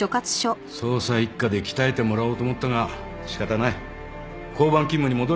捜査一課で鍛えてもらおうと思ったが仕方ない交番勤務に戻れ。